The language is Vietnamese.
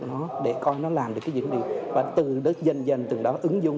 nó để coi nó làm được cái gì không được và từ đó dần dần từ đó ứng dụng